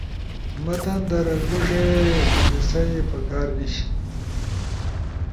متن در گوݜے ہندسئی پکار نیِش